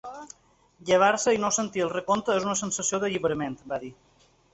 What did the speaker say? Llevar-se i no sentir el recompte és una sensació d’alliberament, va dir.